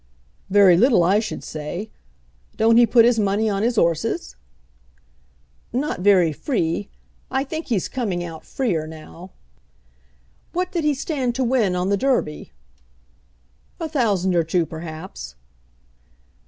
"Very little I should say. Don't he put his money on his 'orses?" "Not very free. I think he's coming out freer now." "What did he stand to win on the Derby?" "A thousand or two perhaps."